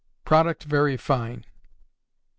Product very fine. 2.